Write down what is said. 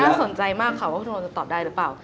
สนใจมากค่ะว่าคุณโมจะตอบได้หรือเปล่า